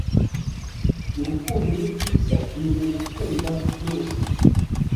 Urukundo ni rwiza, kumenya gukunda byose.